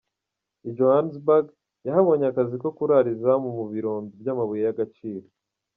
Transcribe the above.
I Johannesburg yahabonye akazi ko kurara izamu mu birombe by’amabuye y’agaciro.